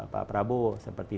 pak prabowo seperti